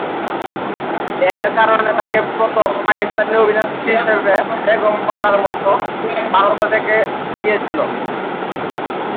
এর কারণে তাঁকে প্রথম পাকিস্তানি অভিনেত্রী হিসেবে বেগম পারার মতো ভারতে দেখা গিয়েছিল।